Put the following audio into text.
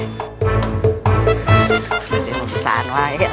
satu dulu paman